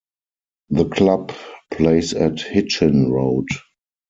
The club plays at Hitchin Road.